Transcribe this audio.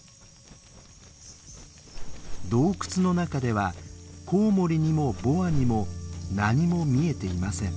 洞窟の中ではコウモリにもボアにも何も見えていません。